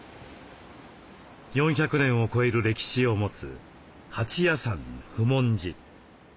４００年を超える歴史を持つ八屋山普門寺。